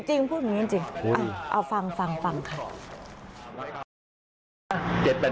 จริงพูดเหมือนกันจริงเอาฟังฟังค่ะ